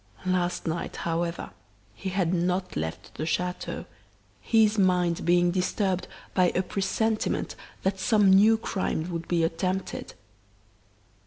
Last night, however, he had not left the chateau, his mind being disturbed by a presentiment that some new crime would be attempted.